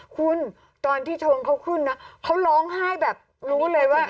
คุณตอนที่ชงเขาขึ้นนะเขาร้องไห้แบบรู้เลยว่า